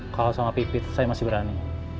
kalau sama pipit saya masih berani